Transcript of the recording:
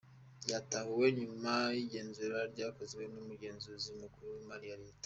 Byatahuwe nyuma y’igenzura ryakozwe n’Umugenzuzi Mukuru w’Imari ya Leta.